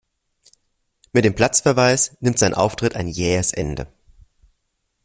Mit dem Platzverweis nimmt sein Auftritt ein jähes Ende.